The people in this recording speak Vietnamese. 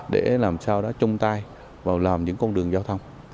để làm sao đó chung tay vào làm những con đường giao thông